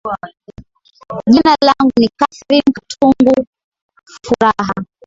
jina langu ni cathireen katungu furaha